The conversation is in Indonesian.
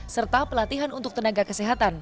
serta pelatihan untuk tenaga kesehatan